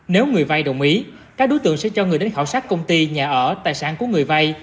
nếu người vay đồng ý các đối tượng sẽ cho người đến khảo sát công ty nhà ở tài sản của người vay